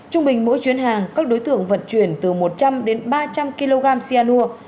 trung bình mỗi chuyến hàng các đối tượng vận chuyển từ một trăm linh đến ba trăm linh kg cyanur